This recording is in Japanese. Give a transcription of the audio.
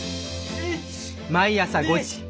毎朝５時。